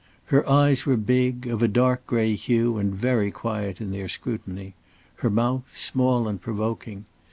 Her eyes were big, of a dark gray hue and very quiet in their scrutiny; her mouth, small and provoking.